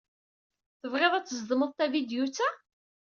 Tebɣiḍ ad d-tzedmeḍ tavidyut-a?